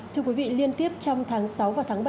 thưa quý vị liên tiếp trong tháng sáu và tháng bảy